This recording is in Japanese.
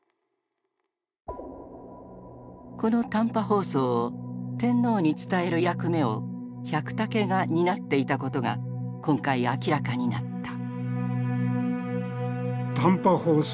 この短波放送を天皇に伝える役目を百武が担っていたことが今回明らかになった。